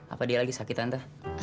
apa dia lagi sakit tante